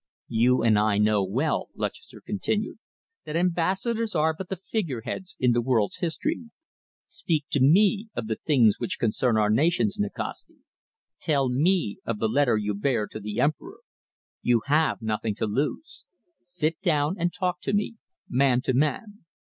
"You and I know well," Lutchester continued, "that ambassadors are but the figureheads in the world's history. Speak to me of the things which concern our nations, Nikasti. Tell me of the letter you bear to the Emperor. You have nothing to lose. Sit down and talk to me, man to man.